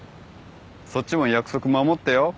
そっちも約束守ってよ。